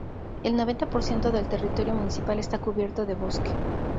El noventa por ciento del territorio municipal está cubierto de bosque.